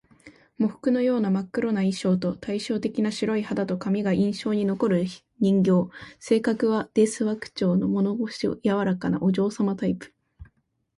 喪服のような真っ黒な衣装と、対照的な白い肌と髪が印象に残る人形。性格は「ですわ」口調の物腰柔らかなお嬢様タイプ